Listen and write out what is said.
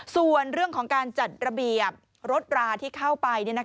ส่วนเรื่องของการจัดระเบียบรถราที่เข้าไป